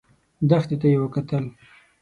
دښتې ته يې وکتل.